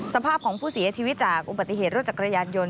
สภาพของผู้เสียชีวิตจากอุบัติเหตุรถจักรยานยนต